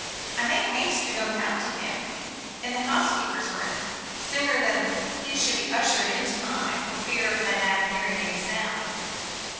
I made haste to go down to him in the housekeeper's room, sooner than that he should be ushered into mine, for fear of madame hearing any sound.